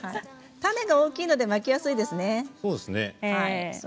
種が大きいのでまきやすいですね。